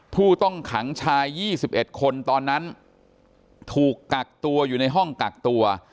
ผู้ต้องขังชาย๒๑คนตอนนั้นถูกกักตัวอยู่ในห้องกักตัว